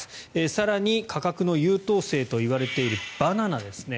更に価格の優等生といわれているバナナですね。